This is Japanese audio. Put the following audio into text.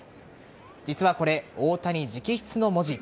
実はこれ、大谷直筆の文字。